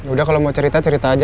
udah kalau mau cerita cerita aja